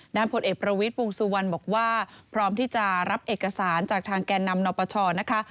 ผลเอกประวิทย์วงสุวรรณบอกว่าพร้อมที่จะรับเอกสารจากทางแก่นำนปชนะคะ